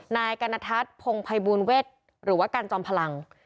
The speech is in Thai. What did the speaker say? นายกดนทัศน์พงษ์ภัยบูรณ์เว็ดหรือว่าการจอมพลัง